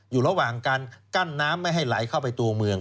อยู่ระหว่างการกั้นน้ำไม่ให้ไหลเข้าไปตัวเมือง